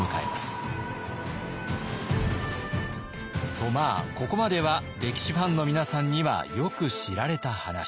ここまでは歴史ファンの皆さんにはよく知られた話。